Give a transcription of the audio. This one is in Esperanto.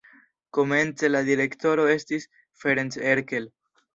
Komence la direktoro estis Ferenc Erkel.